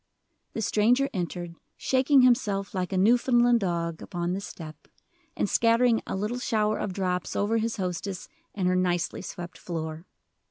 The stranger entered, shaking himself like a Newfoundland dog upon the step, and scattering a little shower of drops over his hostess and her nicely swept floor.